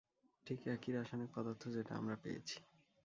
ঠিক একই রাসায়নিক পদার্থ যেটা আমরা পেয়েছি।